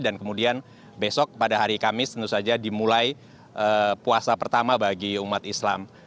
dan kemudian besok pada hari kamis tentu saja dimulai puasa pertama bagi umat islam